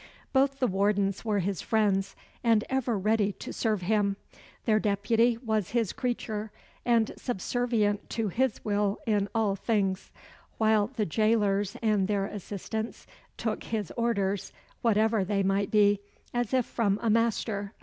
Both the wardens were his friends, and ever ready to serve him; their deputy was his creature, and subservient to his will in all things; while the jailers and their assistants took his orders, whatever they might be, as if from a master.